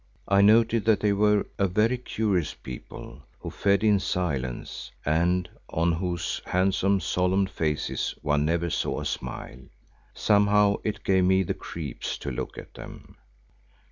I noted that they were a very curious people who fed in silence and on whose handsome, solemn faces one never saw a smile. Somehow it gave me the creeps to look at them.